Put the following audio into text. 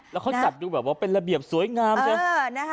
สัตว์ดูแบบว่าเป็นระเบียบสวยงามจ๊ะเออนะคะ